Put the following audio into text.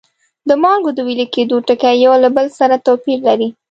د مالګو د ویلي کیدو ټکي یو له بل سره توپیر لري.